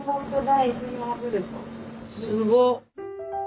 すごっ！